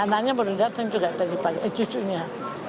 anaknya baru datang juga tadi pak eh cucunya